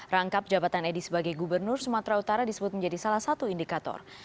rangkap jabatan edi sebagai gubernur sumatera utara disebut menjadi salah satu indikator